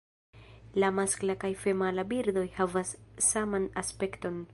La maskla kaj femala birdoj havas saman aspekton.